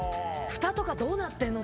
ふたとかどうなってるの？